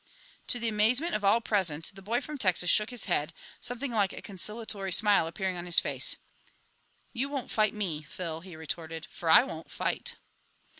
To the amazement of all present, the boy from Texas shook his head, something like a conciliatory smile appearing on his face. "You won't fight me, Phil," he retorted, "for I won't fight."